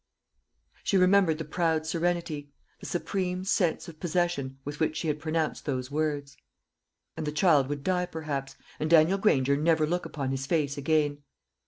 She remembered the proud serenity, the supreme sense of possession, with which she had pronounced those words. And the child would die perhaps, and Daniel Granger never look upon his face again.